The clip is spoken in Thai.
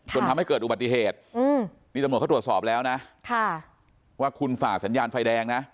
จนทำให้เกิดอุบัติเหตุนี่ตำรวจเขาตรวจสอบแล้วนะว่าคุณฝ่าสัญญาณไฟแดงนะ